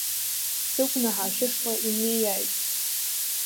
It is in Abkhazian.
Сыгәнаҳа шәышҟа имнеиааит!